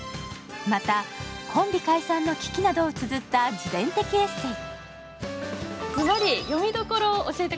またコンビ解散の危機などをつづった自伝的エッセイ。